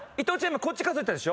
今こっち数えたでしょ。